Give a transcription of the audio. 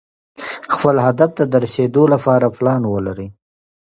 خپل هدف ته د رسېدو لپاره پلان ولرئ.